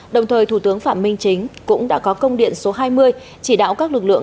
đồng thời thủ tướng phạm minh chính cũng đã có công điện số hai mươi chỉ đạo các lực lượng